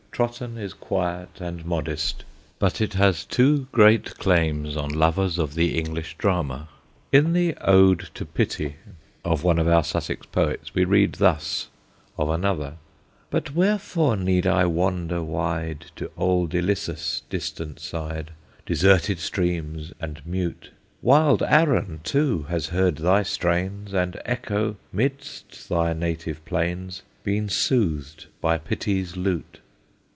Trotton is quiet and modest, but it has two great claims on lovers of the English drama. In the "Ode to Pity" of one of our Sussex poets we read thus of another: But wherefore need I wander wide To old Ilissus' distant side, Deserted streams and mute? Wild Arun, too, has heard thy strains, And echo, 'midst my native plains, Been soothed by pity's lute.